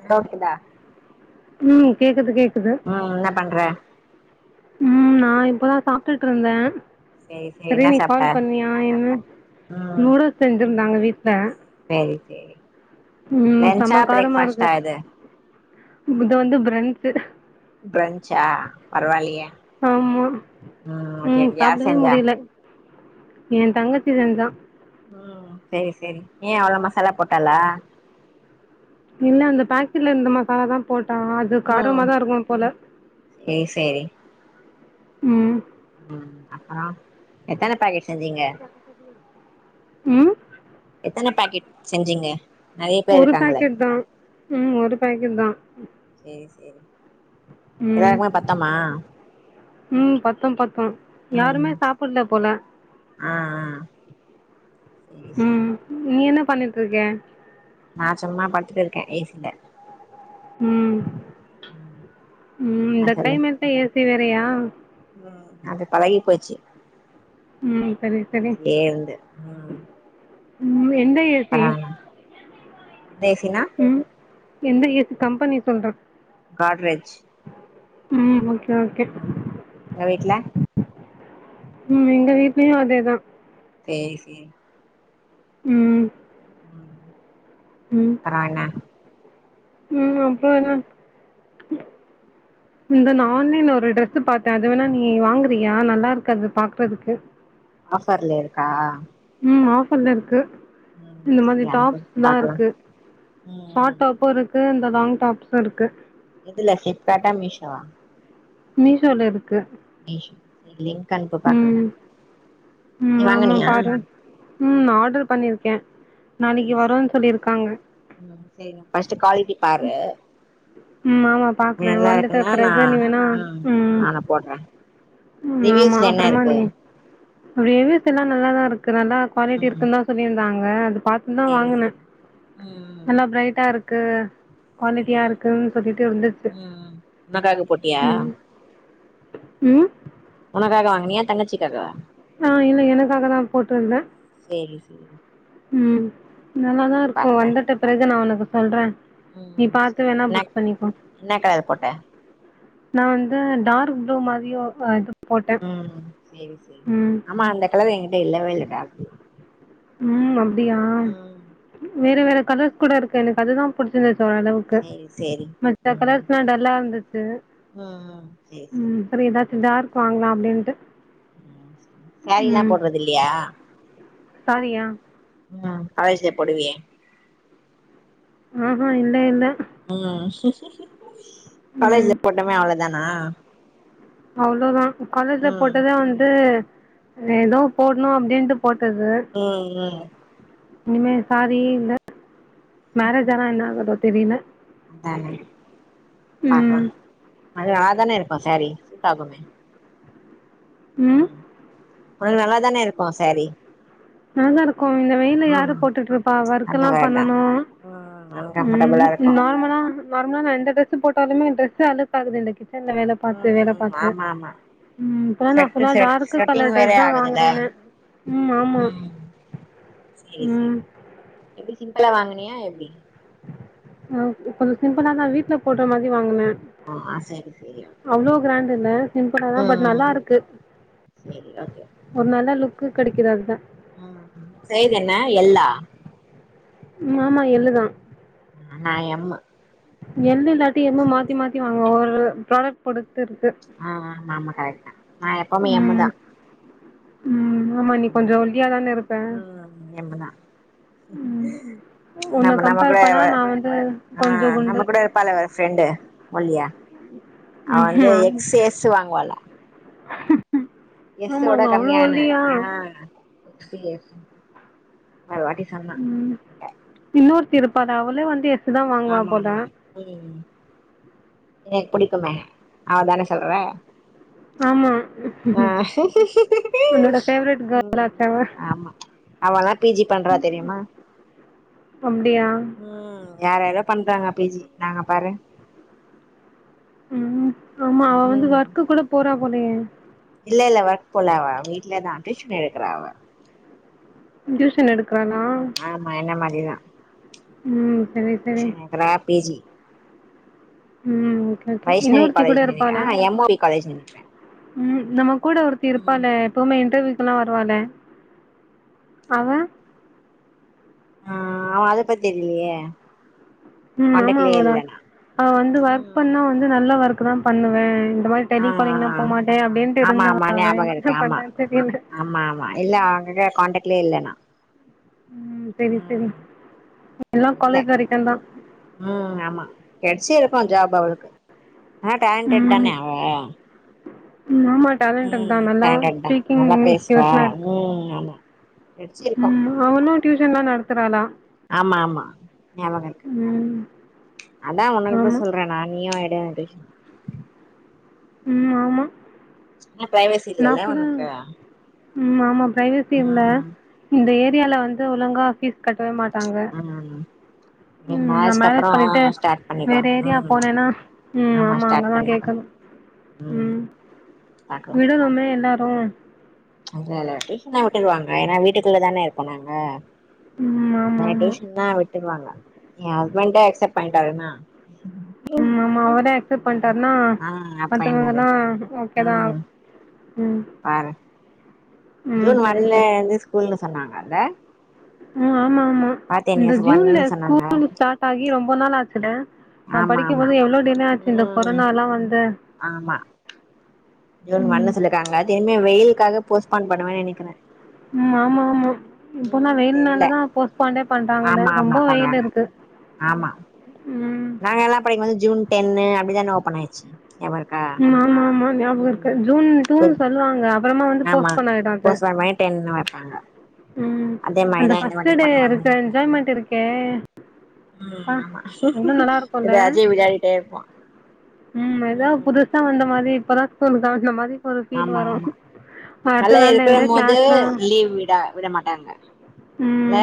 ஹலோக்குதா ம் கேக்குது கேக்குது ம் என்ன பண்ற ம் நா இப்பதா சாப்டுட்டு இருந்த சேரி சேரி சரி என்ன நீ சாப்ட்ட கால் பண்ணியா என்ன ம் நூடுல்ஸ் செஞ்சிருந்தாங்க வீட்ல சேரி சேரி ம் செம லன்ச்சா காரமா இருக்கு பிரேக்ஃபாஸ்ட்டா இது இத வந்து பிரன்ச்சி பிரன்ச்சா பரவாயில்லையே ஆமா ம் ஓகே உம் ஓகே யார் சாப்டவே செஞ்சா முடியல ஏ தங்கச்சி செஞ்சா ம் சேரி சேரி ஏ அவ்ள மசாலா போட்டாலா இல்ல அந்த பாக்கெட்ல இருந்த மசால தா போட்டா அது காரமா தா இருக்கு போல ஏ செரி ம் அப்பறா எத்தன பாக்கெட் செஞ்சீங்க ம் எத்தன பேக்கெட் செஞ்சீங்க நெறைய பேர் ஒரு இருக்காங்களே பேக்கெட் தா ம் ஒரு பேக்கெட் தா சேரி சேரி ம் எல்லாருக்குமே பத்தம்மா ம் பத்தும் பத்தும் ம் யாருமே சாப்புல்ல போல ஆ ஆ சேரி சேரி ம் நீ என்ன பண்ணிட்டு இருக்க நான் சும்மா படுத்துட்ருக்கேன் வ ஏ‌சி ல ம் ம் ம் இந்த கிளைமேட்ல ஏ சி வேறயா ம் அது பழகி போய்ச்சு உம் சரி சரி இருந்து ம் உம் எந்த ஏ சி பரவால எந்த ஏ சினா ம் எந்த ஏ சி கம்பெனி சொல்றேன் காட்ரேஜ் ம் ஓகே ஓகே ம் உங்க வீட்ல ம் எங்க வீட்லயும் அதேதான் சேரி சேரி ம் ம் அப்பறம் என்ன ம் அப்பறம் என்ன இந்த நான் ஆன்லைன்ல ஒரு டிரரெஸ்ஸு பாத்தேன் அது வேணா நீ வாங்குறியா நல்லாருக்கு அது பாக்குறதுக்கு ஆஃபர்ல இருக்கா ம் ஆஃபர்ல இருக்கு ம் இந்த மாதிரி சரி அனுப்பு டாப்ஸ் தா பாக்கலா இருக்கு ம் ம் ஷார்ட் டாப்பும் இருக்கு கு இந்த லாங் டாப்ஸும் இருக்கு இதுல பிளிப்கார்ட் அ மீஷோவா மீஷோல இருக்கு செரி லிங்க் அனுப்பு பாக்குற ம் நீ ம் ஆமா வாங்கனியா பாரு ம் ஆர்டர் பண்ணிருக்கே சரி நாளைக்கு சரி வருன்னு சொல்லிருக்காங்க ம் செரி ஃபஸ்ட் காலிட்டி பாரு ம் ஆமா பாக்குறே நல்லா வந்துட்ட இருக்குன்னா நா பிறகு நீ வேணா ம் நானு போட்றே ம் ஆமா ரிவ்யூஸ்ல என்ன அப்புறமா இருக்கு நீ வேலிஸ்லல்லாம் நல்லாதா இருக்கு நல்லா குவாலிட்டி ம் இருக்குன்னு தான் சொல்லியிருந்தாங்க அது பா இதா தான் சரி வாங்கின சரி ம் ம் நல்லா பிரைட்டா இருக்கு சேரி குவாலிட்டியா இருக்கு ஓகே சொல்லிட்டே வந்துருச்சு ம் உனக்காக போட்டியா ம் ம் உனக்காக வாங்கனியா தங்கச்சிக்காகவா ஆ இல்ல எனக்கா தா போட்டிருந்தேன் செரி ம் நல்லாதா இருக்கு பாக்குறே வந்துட்ட பிறகு நா உனக்கு சொல்றே நீ ம் பாத்து சேரி வேணா என்ன புக் பண்ணிக்கோ என்ன கலர் போட்ட நான் வந்து டார்க் ப்ளூ மாதிரி இருக்கோ உம் செரி செரி ஆமா அந்த கலர் எங்கிட்ட இல்லவே இல்ல‌ டார்க் ப்ளூ ம் அப்டியா ம் வேற வேற கலர்ஸ் கூட இருக்கு எனக்கு அதுதா புடிச்சிருந்த ச ஓரளவுக்கு கு சேரி சேரி மத்த ம் கலர்ஸ்லா டல்லா இருந்துச்சு ம் ம் சேரி சேரி உம் சரி ஏதாச்சு டார்க் வாங்கலா அப்டின்ட்டு உம் சேரிலா போட்றதில்லையா சாரியா ம் காலேஜ்லா போடுவேயே ஆ ஆ இல்ல இல்ல ம் ம். காலேஜ்ல போட்டோமே அவ்ளோதானா அவ்ளோதா காலேஜல ம் போட்டது வந்து எதோ போடணும் அப்டின்ட்டு போட்டது ம் ம் இனிமே சேரி இல்ல மேரேஜ் ஆனா என்ன ஆகுதோ தெரில ஆ [unintelligible] ப்க அது நல்லா தான இருக்கும் சாரீ சூட் ஆகுமே ம் உனக்கு நல்லாதான இருக்கும் சாரி நல்லாதா இருக்கோ இந்த வெயில யாரு ம் போட்டுட்டு இருப்பா ஒர்க் அந்த எல்லா மாரிதா பண்ணனு ம் ம் அன்கம்ஃபர்டபுளா இருக்கு நார்மலா நார்மலா நா எந்த டிரெஸ் போட்டாலுமே டிரெஸ் அழுக்கு ஆகுது கிச்சன் ல வேல பார்த்து வேல ம் பார்த்து ஆமா ஆமா ம் இப்லா நா செட்டு ஃபுல்லா செட் டார்க் செட்டிங் கலர் வேற ட்ரெஸ் தா ஆகுதுல்ல வாங்குறனே ம் ஆமா செரி செரி ம் எப்டி சிம்பிளா வாங்கனியா எப்டி ஆ கொஞ்ச சிம்பிளா தா வீட்டுல போடுற மாதிரி வாங்குன்ன ஆ ஆ செரி செரி அவ்ளோ கிராண்ட் இல்ல சிம்பல்லாதா பட் நல்லா இருக்கு செரி ஓகே ஒரு நல்ல லுக் கிடைக்குது அதுதா அ சைஸ் என்ன எல் லா ஆமா எள்ளுதா நா எம் எள்ளு இல்லாட்டி எமும் மாத்தி மாத்தி வாங்க ஒரு ப்புரொடக்ட் பொறுத்து இருக்கு ஆ ஆமா ஆமா கரெக்ட தா நா எப்பவுமே எம்முதா ம் ம் ஆமா நீ கொஞ்ச ஒலிய தான இருப்ப எம் தா உன்ன நம நம்மல்லா கம்பேர் பண்ணா கூட நா வந்து ஆ கொஞ்சோ குண்டு நம்ம கூட இருப்பால்லா ஃப்ரெண்டு ஒல்லியா அவ வந்து ம்ஹூம் ஆமா எக் எஸ் வாங்குவால எஸ்சோட ஆமாங்க அவ்ளோ கம்மியான ஒல்லியா ஆ எஸ் எஸ் ஒரு வாட்டி சொன்னா ம் என்ட்ட இன்னொருத்தி இருப்பாலே அவளே வந்து எஸ் தா வாங்குவா ஆமா போல ஆமா உ எனக்கு பிடிக்குமே அவ தான சொல்ற ஆமா ஆ உன்னோட ஃபேவரட் கேர்ள் ஆச்சே அவ ஆமா அவள்ளா பிஜி பண்றா தெரியுமா அப்டியா ம் யார் யாரோ பண்றாங்க பிஜி நாங்க பாரு ம் ஆமா அவ வந்து ம் ஒர்க்கு கூட போறா போலயே இல்ல இல்ல ஒர்க் போல அவ வீட்ல தா டியூஷன் எடுக்குறா அவ டியூஷன் எடு ம் ஆமா என்ன மாதிரிதா ம் [unintelligible] டியூஷன் எடுக்குறா பிஜி ம் ஓகே ஓகே இன்னோ ஒருத்தி கூட காலேஜ் நெனைக்கிறே இருப்பாலே ஆ எம் ஓ பி காலேஜ் நெனைக்கிறே ம் நம்ம கூட ஒருத்தி ம் இருப்பாலே எப்பவுமே இன்டர்வியூக்கெல்லா வருவாள்ளே அவ ஆ அவ அத பத்தி தெரிலயே ம் ஆமா அவ அவ வந்து ஒர்க் பண்ணா வந்து நல்ல ஒர்க் தா பண்ணுவ இந்த மாதிரி ஆ டெலிகாலிங்லா ஆ போமாட்ட அப்டின்ட்டு ஆமா இருந்தா ஆமா அவ ஞாபக என்ன இருக்கு ஆமா பண்றான்னு தெரில ஆமா ஆமா இல்ல அவங்க கான்டெக்ட்லயே இல்லண்ணா சேரி சேரி எல்லா இல்ல காலேஜ் வரைக்கும் தா ம் ஆமா கெடச்சி இருக்கும் ஜாப் அவளுக்கு ஏனா டேலண்ட்டட் ம். தானே அவெ ஆமா டேலண்டட் தா நல்லா டேலண்டட் தா ஸ்பீக்கிங் நல்லா பேசுவா ஸ்கில்ஸ் ல்லாம் இ ம் ஆமா கெடச்சிருக்கு ம் அவளும் டியூஷன்லாம் நடத்துறாளா ஆமா ஆமா ஞாபகம் இருக்கு ம். அதான் உன்னுட்ட ஆமா. சொல்றேன் நா நீயும் எடுன்னு ம் ஆமா ஆனா பிரைவசி நான் இல்லல்ல கூட உனக்கு ம் ஆமா ப்ரைவேசி இல்ல ம் இந்த ஏரியால வந்து ஒழுங்கா ஃபீஸ் கட்டவே மாட்டாங்க ம் நீ ம் நா மேரேஜ்க்கு மேரேஜ் அப்புறோ பண்ணிட்டு ஸ்டார்ட் பண்ணிக்கோ வேற ஏரியா ம் போனேன்னா ம் ஆமா ஸ்டார்ட் அங்கதா பண்ணிப்போ கேக்கணும் ம் விடனுமே எல்லாரும் அ இல்ல டீஷன்னா விட்டுருவாங்க ஏன்னா வீட்டுக்குள்ள தானே இருக்கோம் நாங்க ம் ஆமா அத ஆமா டியூஷன்னா விட்டுருவாங்க என் ஹஸ்பண்ட அக்சப்ட் பண்ணிட்டாருன்னா ம் ஆமா அவரே அக்செப்ட் பண்ணிட்டாருனா ஆ அப்ப என்னது மத்தவங்களா ஓகேதான் ம் ம் பாரு ம் ஜூன் சரி ஒன்ல சரி இருந்து ஸ்கூல்ன்னு சொன்னாங்க அல்ல ம் ஆமா ஆமா இந்த நியூஸ் ஜூன்ல ஒன்னுன்னு சொன்னாங்க ஸ்கூல் ஸ்டார்ட் ஆகி ரொம்ப நாள் ஆச்சுலே நம்ப ஆமா ஆமா படிக்கும்போது எவ்ளோ டிலே ஆச்சு இந்த ம் கொரோனால்லா வந்து ஆமா ஜூன் ஒண்ணு ம் சொல்லுக்காங்க திரும்பியு வெயிலுக்காக போஸ்ட்பன் பண்ணுவன்னு நெனைக்கிறேன் ம் ஆமா ஆமா இப்போனா தெரில வெயில்னாலதா போஸ்ட்பாண்டே பண்றாங்கள ஆமா ரொம்ப ஆமா வெயில் பண்ணாங்க இருக்கு ஆமா ம் நாங்க எல்லாம் படிக்கும்து ஜூன் டென்ன அப்டிதான ஓப்பன் ஆச்சு எவருக ம் ஆமா ஆமா ஞாபகம் இருக்கு ஜூன் ட்உன்னு சொல்லுவாங்க அப்பறமா வந்து போஸ்ட் பாண்ட் ஆயிடுன் அது தென்ன வப்பாங்க ம் அந்த ஃபர்ஸ்ட் டே பண்ணுவாங்கன்னு இருக்க நெனைக்கிறே என்ஜாய்மென்ட் இருக்கே ம் அப்பா ஆமா எவ்ளோ நல்லா இருக்கும்ல எதாச்சி வெளாடிட்டே இருப்போ ம் எதோ புதுசா வந்த மாரி இப்பதா ஸ்கூல் தொறக்குற மாரி ஆமா ஆமா மழ நாள்ல இருக்குற இருந்து போது கிளாஸ்லாம் லீவ் விடா விட மாட்டாங்க ல ம்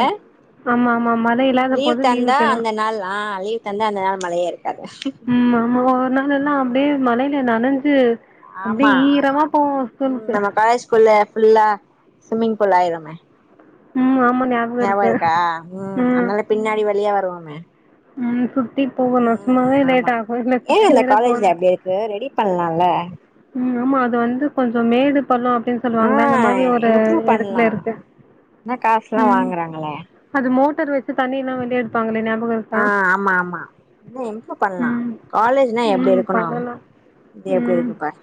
ஆமா ஆமா ஆமா மழ லீவ் தந்தா அந்த நாள் அன் லீவ் தந்தா அந்த நாள் மழையே இருக்காது ம் ஆமா ஒரு நாள் எல்லா அப்டியே மழையில நனஞ்சி ஆமா ம் நம்ம பாய்ஸ் ஸ்கூல்ல ஃபுல்லா ஸ்விம்மிங் பூல் ஆயிருமே ம் ஆமா ஞா ஞாபக இருக்கா ம் நாங்கல்ல பின்னாடி வழியா வருவோமே ம் சுத்தி போகணும் ம் சும்மாவே ஆமா லேட் ஆகும் இதுல ஏ சுத்தி அந்த வேற காலேஜ்ல போணும் அப்டி இருக்கு ரெடி பண்லால ம் ஆமா அது வந்து கொஞ்சம் மேடு பள்ளம் பேர் ஆ சொல்லுவாங்கள அந்த மாரி ஒரு இம்ப்ரூவ் எடத்துல பண்லா இருக்கு ஆனா காசுல்லா ம் வாங்குறாங்களே அது மோட்டர் வச்சு தண்ணி எல்லா வெளிய எடுப்பாங்கலே ஞாபக இருக்கா ஆன் ஆமா ஆமா இவே எங்க பண்ணா ம் காலேஜ்னா எப்டி ம் இருக்கணும் பண்ணலா இது எப்டி ம் இருக்கு பார்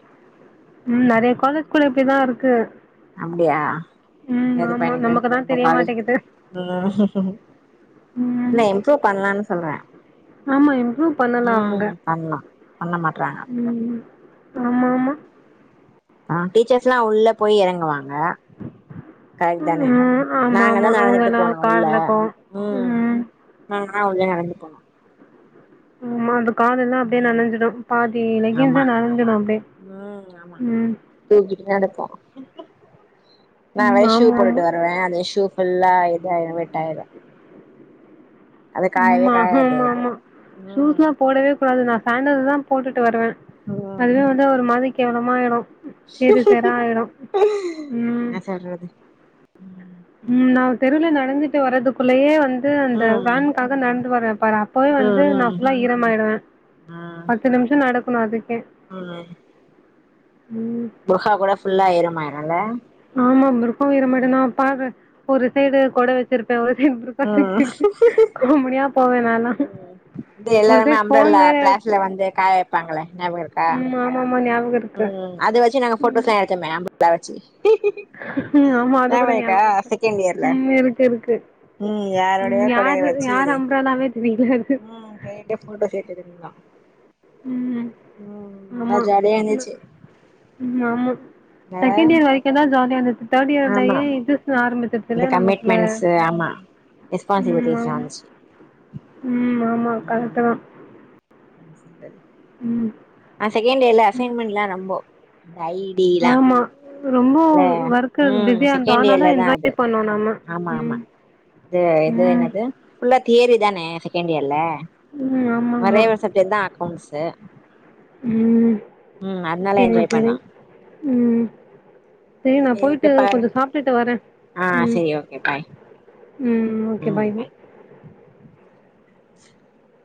ம் நெறைய காலேஜ்குள்ள இப்டிதா இருக்கு அப்டியா ம் எது ஆமா பையனுக்கு நமக்குதா இந்த தெரிய காலேஜ் மாட்டேங்குது இல்ல ம் இம்ப்ரூவ் பண்லான் சொல்றே ஆமா இம்ப்ரூவ் பண்ணலா அவுங்க ம் பண்லா பண்ண மாட்றாங்க ம் ஆமா ஆமா ஆ டீச்சர்ஸ்ல்லா உள்ள போய் எறங்குவாங்க கரெக்ட் தானே ம் ஆமா நாங்க தா ஆமா நடந்துட்டு அவங்கல்லா போனோ உள்ள கார்ல போவோ ம் நாமதா உள்ள நடந்து போணு சும்மா அந்த கால் எல்லா அப்டியே ம் நனைஞ்சிடு பாதி லெகின்ஸ்சு ஆமா நனைஞ்சிடு அப்டியே ம் ஆமா ம் தூக்கிட்டு நடப்போ நா ம் வேற ஷூ ஆமா ஆமா போட்டுட்டு வருவே அதே ஷூ ஃபுல்லா இதா வெட் ஆயிடு ம் ஆஹா காயாது ம் அது ஆமா ம் ஷூஸ்லா போடவே அது நா சன்டல்தா போட்டுட்டு வருவே ம் அதுவே வந்து ஒரு மாதி கேவலமா ஆயிடு சேரு சேரா ஆயிடு ம் என்ன சொல்றது ம் நா ஒரு தெருவ்ல நடந்துட்டு வர்றதுக்குள்ளேயே வந்து அந்த ம் வேன் காக நடந்து வர்ரே பாரு அப்பவே வந்து நா ம் ம் ஃபுல்லா ஈரமாயிடுவே பத் பத்து நிமிஷோ நடக்கணு அதுக்கே ஆ ம் புர்ஹா கூட ஃபுல்லா ஈரம் ஆயிரு இல்ல ஆமா புர்ஹாவு ஈரமாயிடு நா பாகே ஒரு சைடு கொட வச் சிருப்பே ம் ம் [unintelligible] காமெடியா போவே நால்லா இங்க எல்லாருமே அம்ப்ரல்லா கிளாஸ்ல வந்து காய வப்பாங்களே ஞாபகோ இருக்கா ஆமா ஞாபகோ இருக்கு ம் அது வச்சு நாங்க போட்டோஸ்ல்லா எடுத்தோமே அம்பர்லா வச்சி ம் ஆமா அது கூட ஞாபகோ இருக்கு செகண்ட் இயர்ல ம் இருக்கு இருக்கு ம் ம் யாரோடயோ கொடைய யாரு வச்சு யார் அம்பரல்லாவே தெரில ம் ஹே ஹே போட்டோஸ் எட்துகிறீங்ளா ம். ம் நல்லா ஆமா. ஜாலியா இருந்துச்சு ம் ஆமா ஆ செகண்ட் இயர் வரைக்கு தா ஜாலியா இருந்துச்சு தேர்ட் ஆமா இயர்லயே இதுசு ஆரம்பிச் இந்த ல நமக்குள்ள கமிட்மெண்ட்ஸு ஆமா ம் ரெஸ்பான்சிபிலிட்டிஸ்லா ஆமா வந்துச்சு ம் ஆமா கரெக்டுதா ம் சரி ம் ஆ செகண்ட் இயர்ல அசைன்மெண்ட்ல்லா ரொம்போ டயி டீலா ஆமா ரொம்ப ல ஒர்க்கு ம் பிஸியா இருந்தோ செகண்ட் ஆனாலு இயர்ல தா அது என்ஜாய் பண்ணோ நம்ம ஆமா ஆமா ம் து இது ம் என்னது ஃபுல்லா தியைரி தான செகண்ட் இயர்ல ம் ஆமா ஒரே ஆமா ஒரு சப்ஜெக்ட் தா அக்கௌண்ட்ஸு ம் ம் அதனால செரி என்ஜாய் செரி பண்ணோ ம் செயி நா சரி போய்ட்டு ஓகே பாரு கொஞ்சோ சாப்ட்டுட்டு வரே ஆ ம் சரி ஓகே பாய் ம் ஓகே பாய் [inaudible]